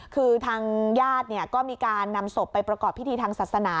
คือทางญาติก็มีการนำศพไปประกอบพิธีทางศาสนา